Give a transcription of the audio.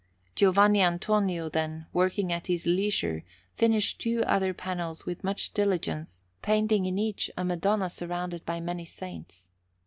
Giovanni Antonio, then, working at his leisure, finished two other panels with much diligence, painting in each a Madonna surrounded by many saints.